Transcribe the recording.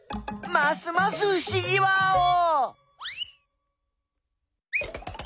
ますますふしぎワオー！